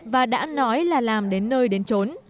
và đã nói là làm đến nơi đến trốn